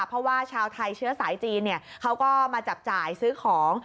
เพราะว่าชาวไทยเชื้อสายจีนเขาก็มาจับจ่ายซื้อของ